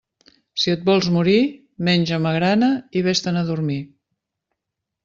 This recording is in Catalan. Si et vols morir, menja magrana i vés-te'n a dormir.